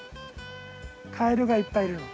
カエルがいっぱいいるの。